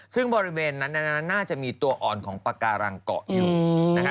ซึ่งบริเวณนั้นน่าจะมีตัวอ่อนของปากการังเกาะอยู่นะคะ